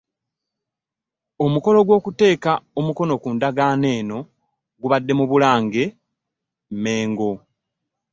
Omukolo gw'okuteeka omukono ku ndagaano eno gubadde mu Bulange Mmengo.